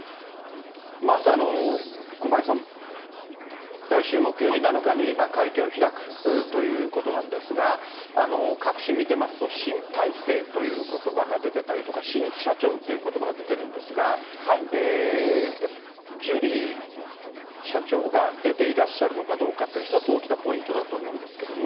まず駒井さん、来週木曜日７日に会見を開くということなんですが、各紙見てますと、新体制ということばが出てたりとか、新社長ということばが出てるんですが、ジュリー社長が出ていらっしゃるのかどうかっていうのは一つ大きなポイントだと思うんですけれども。